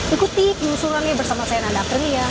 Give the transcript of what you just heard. ikuti penelusurannya bersama saya nanda aprilia